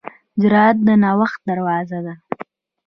جرأت د نوښت دروازه ده.